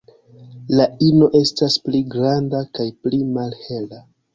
La ino estas pli granda kaj pli malhela.